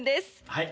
はい。